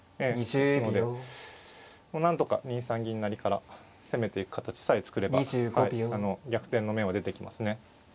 ですのでなんとか２三銀成から攻めていく形さえ作れば逆転の芽は出てきますね。